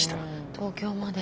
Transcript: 東京まで。